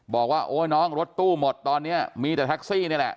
บอกว่าโอ๊ยน้องรถตู้หมดตอนนี้มีแต่แท็กซี่นี่แหละ